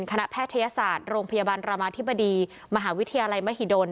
แพทยศาสตร์โรงพยาบาลรามาธิบดีมหาวิทยาลัยมหิดล